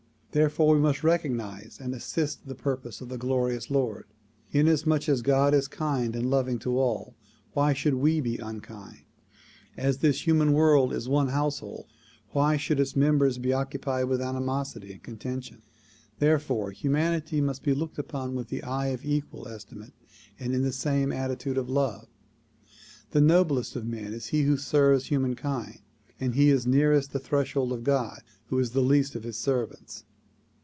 Therefore we must recognize and assist the purpose of the glorious Lord. Inasmuch as God is kind and loving to all why should we be unkind ? As this human world is one household W'hy should its members be occupied with animosity and conten tion? Therefore humanity must be looked upon with the eye of equal estimate and in the same attitude of love. The noblest of men is he who serves humankind, and he is nearest the threshold of God who is the least of his servants.